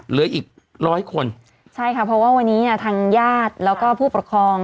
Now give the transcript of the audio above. เหลืออีกร้อยคนใช่ค่ะเพราะว่าวันนี้เนี่ยทางญาติแล้วก็ผู้ปกครอง